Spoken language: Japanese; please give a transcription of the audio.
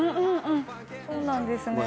そうなんですね。